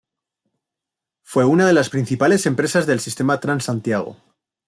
Fue una de las principales empresas del sistema Transantiago.